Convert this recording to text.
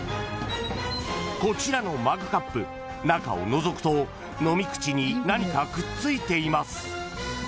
［こちらのマグカップ中をのぞくと飲み口に何かくっついています］